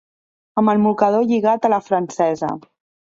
Amb el mocador lligat a la francesa.